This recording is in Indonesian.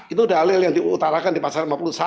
itu dalil yang diutarakan di pasal lima puluh satu